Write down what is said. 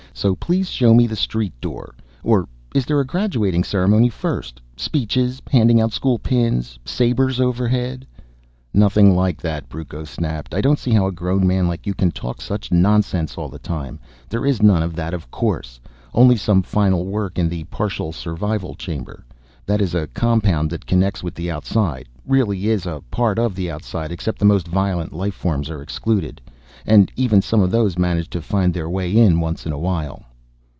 So please show me the street door. Or is there a graduating ceremony first? Speeches, handing out school pins, sabers overhead " "Nothing like that," Brucco snapped. "I don't see how a grown man like you can talk such nonsense all the time. There is none of that, of course. Only some final work in the partial survival chamber. That is a compound that connects with the outside really is a part of the outside except the most violent life forms are excluded. And even some of those manage to find their way in once in a while."